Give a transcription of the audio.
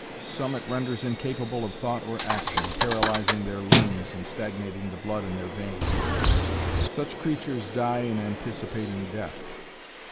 Some it renders incapable of thought or action, paralyzing their limbs and stagnating the blood in their veins; such creatures die in anticipating death.